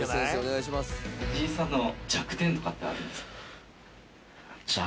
藤井さんの弱点とかってあるんですか？